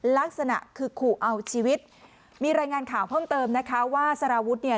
ลักษณะคือขู่เอาชีวิตมีรายงานข่าวเพิ่มเติมนะคะว่าสารวุฒิเนี่ย